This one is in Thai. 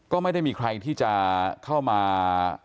ก็ไม่ได้มีใครที่จะเข้ามา